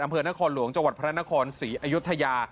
อำเภอนครหลวงจังหวัดพระนครศรีอยุธยา